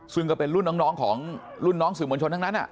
ซึ่งก็เป็นรุ่นน้องของรุ่นน้องสื่อมวลชนทั้งนั้น